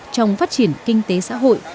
trong phát triển kinh tế xã hội